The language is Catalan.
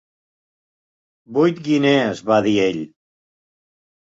"Vuit guinees!", va dir ell.